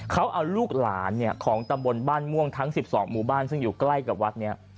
เขาเอาลูกหลานของตำบลบ้านม่วงทั้ง๑๒หมู่บ้านซึ่งอยู่ใกล้กับวัดนี้